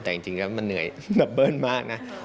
แต่จริงแล้วมันเหนื่อยแบบเบิ้ลมากนะ